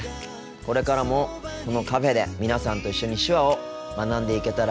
これからもこのカフェで皆さんと一緒に手話を学んでいけたらいいなと思っています。